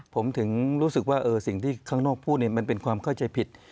ผมถึงรู้สึกว่าสิ่งที่ข้างนอกพูดมันเป็นความเข้าใจผิด